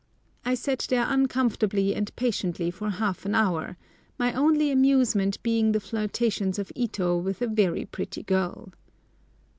I sat there uncomfortably and patiently for half an hour, my only amusement being the flirtations of Ito with a very pretty girl.